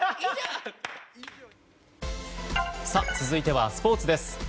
続いてはスポーツです。